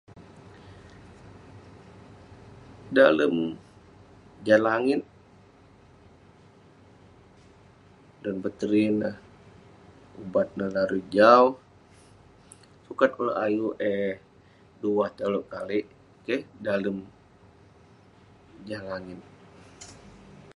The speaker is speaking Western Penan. Dalem jah langit, dan bateri neh, ubat neh larui jau ; sukat kek ulouk ayuk eh duah tolouk kalik? Keh? Dalem jah langit.